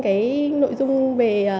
cái nội dung về